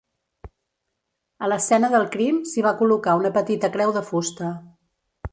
A l'escena del crim s'hi va col·locar una petita creu de fusta.